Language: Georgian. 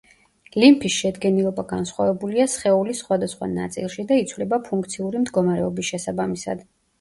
ლიმფის შედგენილობა განსხვავებულია სხეულის სხვადასხვა ნაწილში და იცვლება ფუნქციური მდგომარეობის შესაბამისად.